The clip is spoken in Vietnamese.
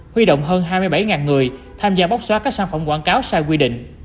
huy động hơn hai mươi bảy người tham gia bóc xóa các sản phẩm quảng cáo sai quy định